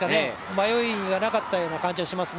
迷いがなかったような感じがします。